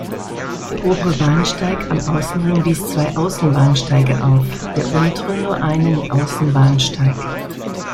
Der obere Bahnsteig am Außenring wies zwei Außenbahnsteige auf, der untere nur einen Außenbahnsteig.